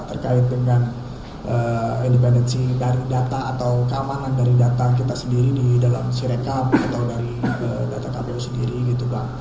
terkait dengan independensi dari data atau keamanan dari data kita sendiri di dalam sirekap atau dari data kpu sendiri gitu bang